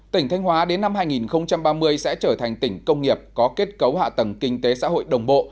tỉnh thanh hóa đến năm hai nghìn ba mươi sẽ trở thành tỉnh công nghiệp có kết cấu hạ tầng kinh tế xã hội đồng bộ